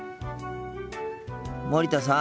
森田さん。